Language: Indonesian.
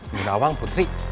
ibu nawang putri